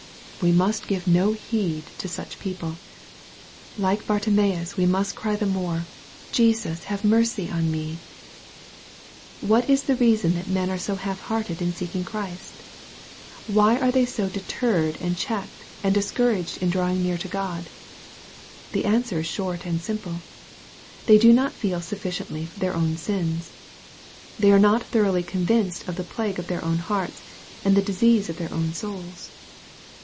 We must give no heed to such people. Like Bartimaeus, we must cry the more, " Jesus have mercy on me." What is the reason that men are so half hearted in seeking Christ ? Why are they so soon deterred, and checked, and discouraged in drawing near to God ? The answer is short and simple. They do not feel sufficiently their own sins. They are not thoroughly convinced of the plague of their own hearts, and the disease of their own souls.